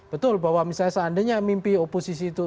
betul bahwa misalnya seandainya mimpi oposisi itu